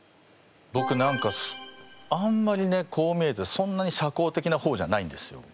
ぼく何かあんまりねこう見えてそんなに社交的な方じゃないんですよ。